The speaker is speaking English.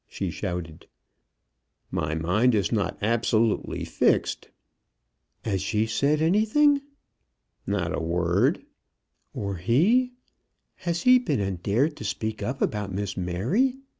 she shouted. "My mind is not absolutely fixed." "'As she said anything?" "Not a word." "Or he? Has he been and dared to speak up about Miss Mary.